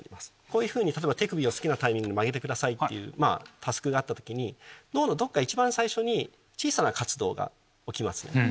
こういうふうに例えば手首を好きなタイミングで曲げてくださいっていうタスクがあった時に脳のどっか一番最初に小さな活動が起きますね。